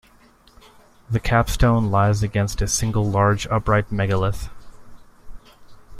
The capstone lies against a single large upright megalith.